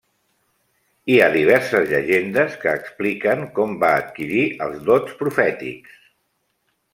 Hi ha diverses llegendes que expliquen com va adquirir els dots profètics.